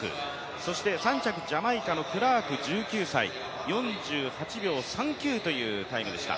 そして３着、ジャマイカのクラーク１９歳４８秒３９というタイムでした。